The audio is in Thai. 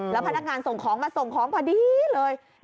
แล้วพนักงานส่งของมาส่งของพอดีเลย